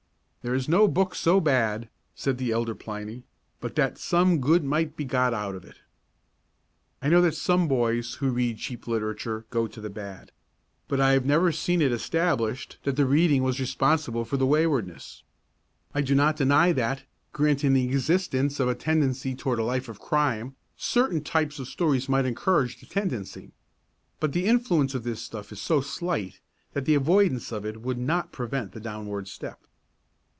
"There is no book so bad," said the elder Pliny, "but that some good might be got out of it." I know that some boys who read cheap literature go to the bad. But I have never seen it established that the reading was responsible for the waywardness. I do not deny that, granting the existence of a tendency toward a life of crime, certain types of stories might encourage the tendency. But the influence of this stuff is so slight that the avoidance of it would not prevent the downward step.